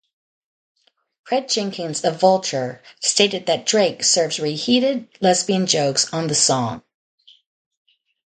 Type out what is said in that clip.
Craig Jenkins of "Vulture" stated that Drake "serves reheated lesbian jokes" on the song.